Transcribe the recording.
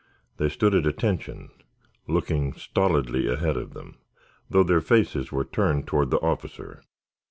They stood at attention, looking stolidly ahead of them, though their faces were turned toward the officer.